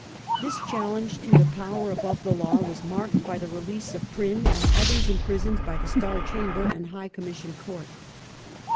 This challenge to the power above the law was marked by the release of Prynne and others imprisoned by the Star Chamber and High Commission Court.